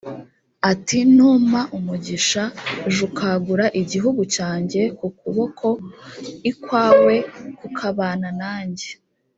ati numpa umugisha j ukagura igihugu cyanjye k ukuboko l kwawe kukabana nanjye